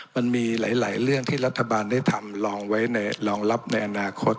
มันมีหลายเรื่องที่รัฐบาลได้ทำลองไว้ในรองรับในอนาคต